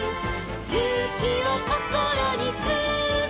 「ゆうきをこころにつめて」